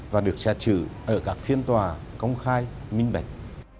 và được xét xử ở các phiên tòa công khai minh bạch